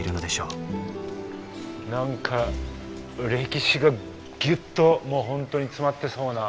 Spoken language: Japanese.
何か歴史がギュッともう本当に詰まってそうな。